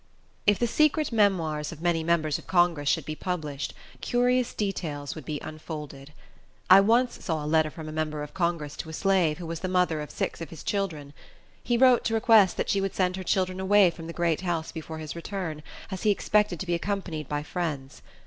If the secret memoirs of many members of Congress should be published, curious details would be unfolded. I once saw a letter from a member of Congress to a slave, who was the mother of six of his children. He wrote to request that she would send her children away from the great house before his return, as he expected to be accompanied by friends.